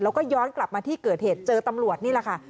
แล้วก็ย้อนกลับมาที่เกิดเหตุเจอตำรวจนี่แหละค่ะ